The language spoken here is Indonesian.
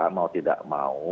mau tidak mau